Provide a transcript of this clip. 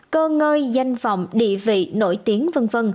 cơ ngơi danh vọng địa vị nổi tiếng v v